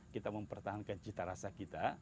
kita mempertahankan cita rasa kita